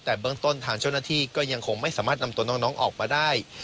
แต่เบื้องต้นทางเจ้าหน้าที่ก็ยังคงไม่สามารถนำตัวน้องออกมาได้